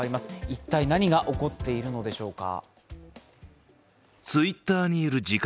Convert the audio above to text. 一体何が起こっているのでしょうか。